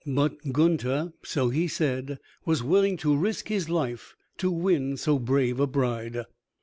But Gunther, so he said, was willing to risk his life to win so brave a bride.